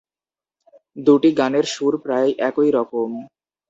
দুটি গানের সুর প্রায় একই রকম।